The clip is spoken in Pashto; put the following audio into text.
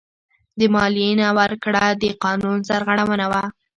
د مالیې نه ورکړه د قانون سرغړونه ده.